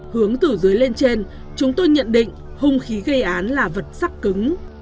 hướng từ dưới lên trên chúng tôi nhận định hung khí gây án là vật sắc cứng